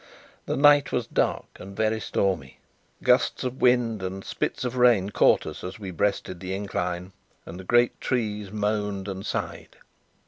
The night was dark and very stormy; gusts of wind and spits of rain caught us as we breasted the incline, and the great trees moaned and sighed.